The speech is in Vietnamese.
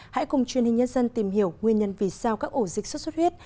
hãy cùng truyền hình nhân dân tìm hiểu nguyên nhân vì sao các ổ dịch sốt xuất huyết